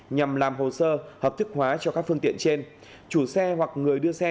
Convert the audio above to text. nhằm làm hồ sơ hợp thức hóa cho các phương tiện trên chủ xe hoặc người đưa xe